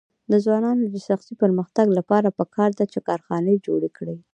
د ځوانانو د شخصي پرمختګ لپاره پکار ده چې کارخانې جوړې کړي.